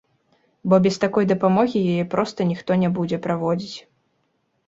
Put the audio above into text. Бо без такой дапамогі яе проста ніхто не будзе праводзіць.